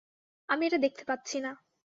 আমি এটা দেখতে পাচ্ছি না।